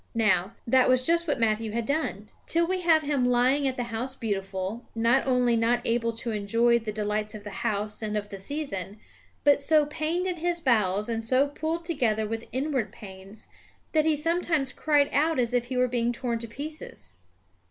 Now, that was just what Matthew had done. Till we have him lying at the House Beautiful, not only not able to enjoy the delights of the House and of the season, but so pained in his bowels and so pulled together with inward pains, that he sometimes cried out as if he were being torn to pieces.